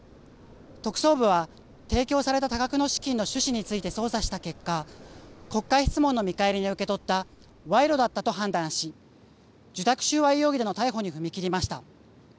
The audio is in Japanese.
特捜部は提供された多額の資金の趣旨について捜査した結果、国会質問の見返りに受け取った賄賂だったと判断し受託収賄容疑での逮捕に踏み切りました。